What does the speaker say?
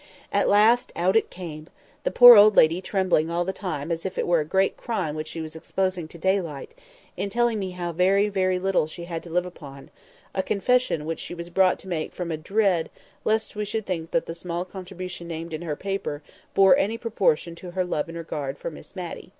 At last out it came; the poor old lady trembling all the time as if it were a great crime which she was exposing to daylight, in telling me how very, very little she had to live upon; a confession which she was brought to make from a dread lest we should think that the small contribution named in her paper bore any proportion to her love and regard for Miss Matty.